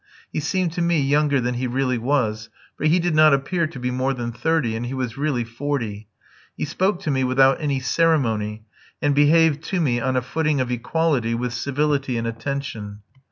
He seemed to me younger than he really was, for he did not appear to be more than thirty, and he was really forty. He spoke to me without any ceremony, and behaved to me on a footing of equality with civility and attention.